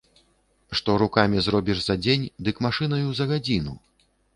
Што рукамі зробіш за дзень, дык машынаю за гадзіну.